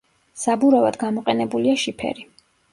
საბურავად გამოყენებულია შიფერი.